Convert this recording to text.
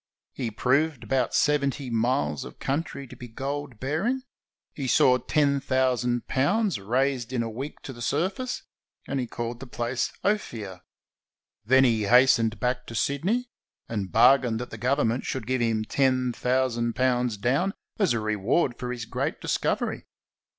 He proved about seventy miles of country to be gold bearing, he saw £10,000 raised in a week to the surface, and he called the place Ophir. Then he hastened back to Sydney and bargained that Government should give him £10,000 down as a reward for his great discovery.